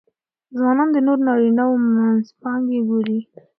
ځوانان د نورو نارینهوو منځپانګې ګوري.